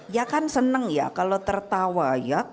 ya kan seneng ya kalau tertawa ya